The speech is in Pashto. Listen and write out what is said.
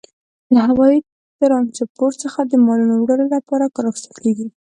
له هوايي ترانسپورت څخه د مالونو وړلو لپاره کار اخیستل کیږي.